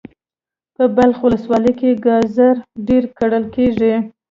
په بلخ ولسوالی کی ګازر ډیر کرل کیږي.